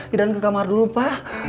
idan ke kamar dulu pak aduh